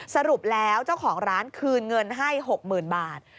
สรุปแล้วเจ้าของร้านคืนเงินให้๖๐๐๐บาท